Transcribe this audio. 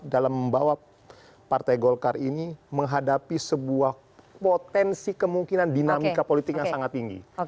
dalam membawa partai golkar ini menghadapi sebuah potensi kemungkinan dinamika politik yang sangat tinggi